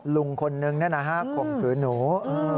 ลุงคนนึงนั่นนะครับคงคือหนู